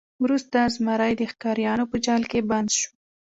وروسته زمری د ښکاریانو په جال کې بند شو.